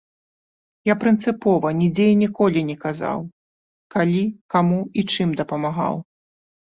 Я прынцыпова нідзе і ніколі не казаў, калі, каму і чым дапамагаў.